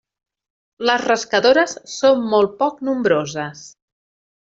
Les rascadores són molt poc nombroses.